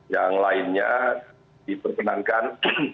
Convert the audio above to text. yang lainnya diperkenankan